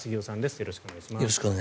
よろしくお願いします。